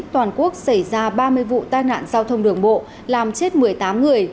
toàn quốc xảy ra ba mươi vụ tai nạn giao thông đường bộ làm chết một mươi tám người